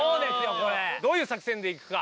これどういう作戦でいくか